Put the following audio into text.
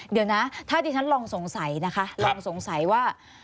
เดี๋ยวนะถ้าที่ฉันลองสงสัยนะคะลองสงสัยว่า